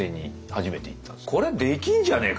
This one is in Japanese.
「これできんじゃねえか」